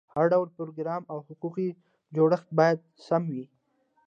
هر ډول پروګرام او حقوقي جوړښت باید سم وي.